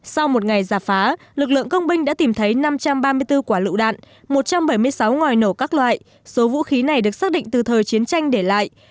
sau một ngày giả phá lực lượng công binh đã tìm thấy năm trăm ba mươi bốn quả lựu đạn một trăm bảy mươi sáu ngòi nổ các loại số vũ khí này được xác định từ thời chiến tranh để lại